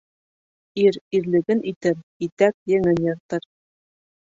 Ир ирлеген итер, итәк-еңен йыртыр.